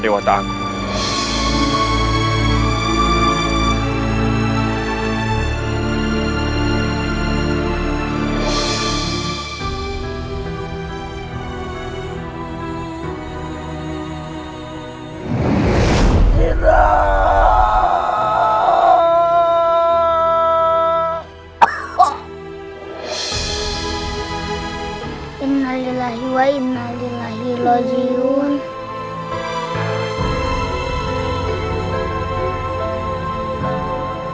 bukan sendirian menurutmu